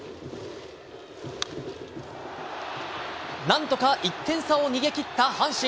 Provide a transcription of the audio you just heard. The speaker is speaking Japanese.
なんとか１点差を逃げ切った阪神。